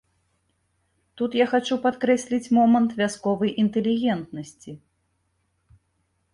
Тут я хачу падкрэсліць момант вясковай інтэлігентнасці.